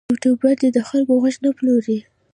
یوټوبر دې د خلکو غږ نه پلوري.